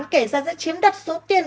các kể dân sẽ chiếm đặt số tiền